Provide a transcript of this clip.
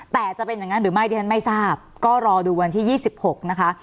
แต่จะเป็นอย่างนั้นหรือไม่ดิฉันไม่ทราบก็รอดูวันที่๒๖นะคะ